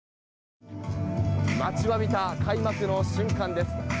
待ちわびた開幕の瞬間です。